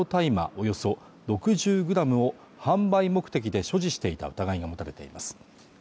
およそ６０ｇを販売目的で所持していた疑いが持たれています